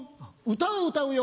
歌を歌うよ。